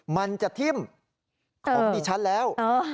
มันจะทิ่มของดิฉันแล้ว